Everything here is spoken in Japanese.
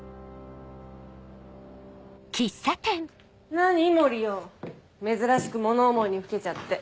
何森生珍しく物思いにふけちゃって。